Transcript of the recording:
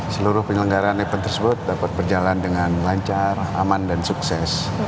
seluruh penyelenggaraan event tersebut dapat berjalan dengan lancar aman dan sukses